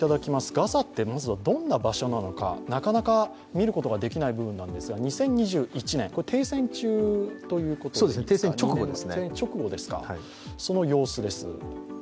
ガザって、まずはどんな場所なのか、なかなか見ることができない部分なんですが、２０２１年、停戦直後の様子です。